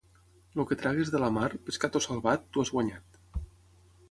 El que treguis de la mar, pescat o salvat, t'ho has guanyat.